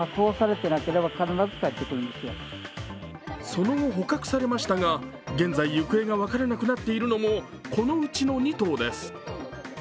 その後捕獲されましたが、現在行方が分からなくなっているのも、このうちの２頭です。